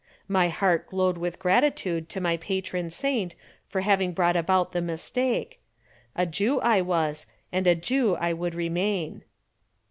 My heart glowed with gratitude to my patron saint for having brought about the mistake; a Jew I was and a Jew I would remain.